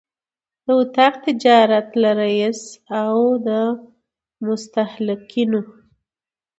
د اطاق تجارت له رئیس او د مستهلکینو